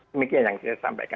demikian yang saya sampaikan